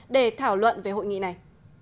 để thảo luận về hội nghị này